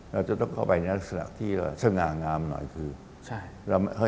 เราจะต้องเข้าไปในลักษณะที่สง่างามหน่อยคือใช่